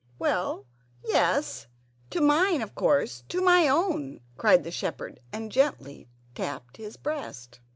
"Well, yes; to mine, of course, to my own," cried the shepherd, and gently tapped his breast.